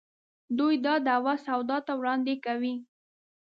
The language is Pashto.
دوی دا دعوه سودا ته وړاندې کوي.